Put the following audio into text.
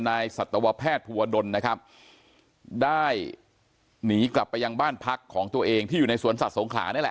สัตวแพทย์ภูวดลนะครับได้หนีกลับไปยังบ้านพักของตัวเองที่อยู่ในสวนสัตว์สงขลานี่แหละ